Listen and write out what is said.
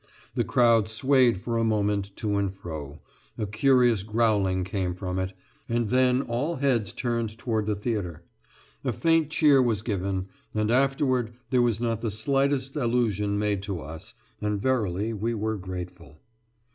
The crowd swayed for a moment to and fro, a curious growling came from it, and then all heads turned toward the theatre. A faint cheer was given, and afterward there was not the slightest allusion made to us and verily we were grateful.